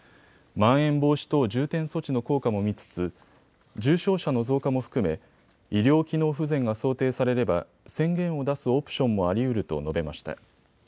まん延防止等重点措置の効果も見つつ重症者の増加も含め医療機能不全が想定されれば宣言を出すオプションもありうると述べました。